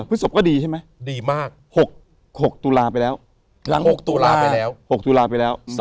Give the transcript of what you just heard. พุทธศพก็ดีใช่ไหมดีมาก๖ตุลาไปแล้ว